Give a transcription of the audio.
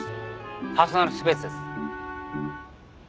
パーソナルスペースです。